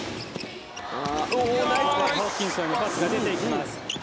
ホーキンソンにパスが出ていきます。